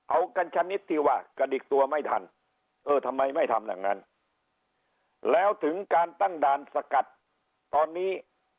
เอากันชนิดที่ว่ากระดิกตัวไม่ทันเออทำไมไม่ทำอย่างนั้นแล้วถึงการตั้งด่านสกัดตอนนี้